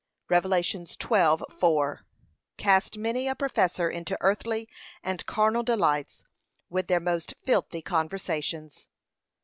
(Rev. 12:4) Cast many a professor into earthly and carnal delights, with their most filthy conversations.